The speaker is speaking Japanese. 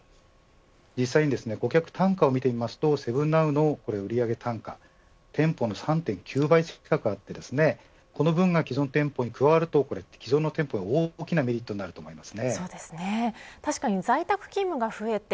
実際に顧客単価を見てみると７ＮＯＷの売上単価店舗の３．９倍近くあってこの分が既存店舗に加わると既存の店舗は大きなメリットになると思います。